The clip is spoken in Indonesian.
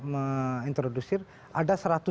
menginterdusir ada satu ratus satu